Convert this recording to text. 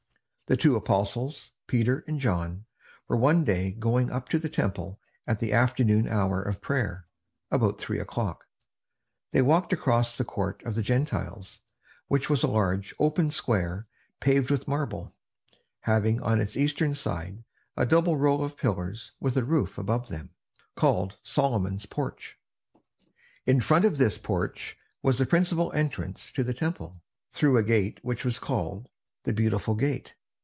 The two apostles, Peter and John, were one day going up to the temple at the afternoon hour of prayer, about three o'clock. They walked across the court of the Gentiles, which was a large, open square paved with marble, having on its eastern side a double row of pillars with a roof above them, called Solomon's Porch. In front of this porch was the principal entrance to the Temple, through a gate which was called "The Beautiful Gate."